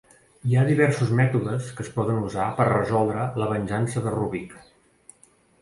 Hi ha diversos mètodes que es poden usar per a resoldre La Venjança de Rubik.